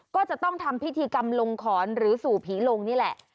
ก็จะต้องทำพิธีกรรมลงขอนหรือสู่ผีลงนี่แหละ